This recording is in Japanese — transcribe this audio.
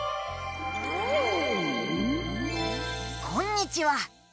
こんにちは。